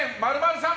○○さん